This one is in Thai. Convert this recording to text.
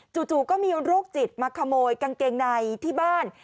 จู่ก็มีโรคจิตมาขโมยกางเกงในที่บ้าน